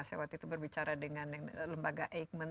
saya waktu itu berbicara dengan lembaga eijkman